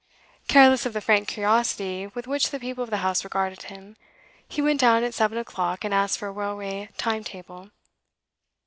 Careless of the frank curiosity with which the people of the house regarded him, he went down at seven o'clock, and asked for a railway time table.